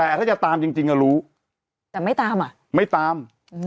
แต่ถ้าจะตามจริงรู้แต่ไม่ตามอ่ะไม่ตาม